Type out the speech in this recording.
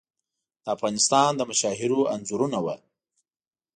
د افغانستان د مشاهیرو انځورونه وو.